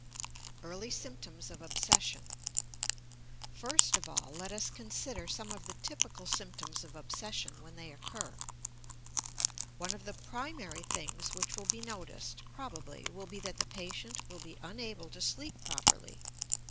EARLY SYMPTOMS OF OBSESSION First of all let us consider some of the typical symptoms of obsession when they occur:— One of the primary things which will be noticed, probably, will be that the patient will be unable to sleep properly.